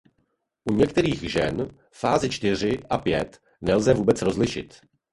U některých žen fázi čtyři a pět nelze vůbec rozlišit.